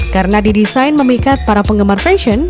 karena didesain memikat para penggemar fashion